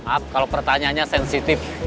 app kalau pertanyaannya sensitif